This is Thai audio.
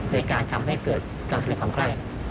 ในการทำให้เกิดการสร้างความใกล้